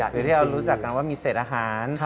หรือที่เรารู้จักกันว่ามีเศษอาหาร